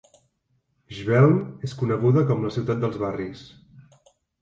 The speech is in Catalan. Schwelm és coneguda com "la ciutat dels barris".